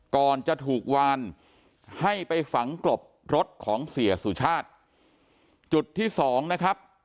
ก่อนจะถูกวานให้ไปฝังกลบรถของเสียสุชาติจุดที่สองนะครับ